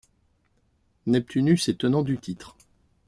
Neptunus est tenant du titre.